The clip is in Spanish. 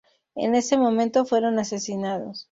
En ese momento fueron asesinados.